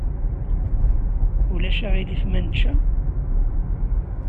Ulac aɣilif ma nečča?